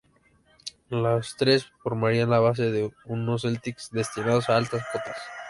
Los tres formarían la base de unos Celtics destinados a altas cotas.